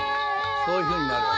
そういうふうになるわけ。